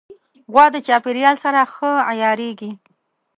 غوا د چاپېریال سره ښه عیارېږي.